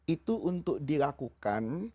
itu untuk dilakukan